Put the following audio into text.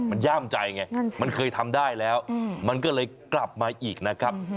มันย่ามใจไงมันเคยทำได้แล้วมันก็เลยกลับมาอีกนะครับ